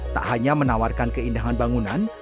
tak hanya menawarkan keindahan bangunan